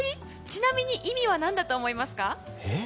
ちなみに意味は何だと思いますか？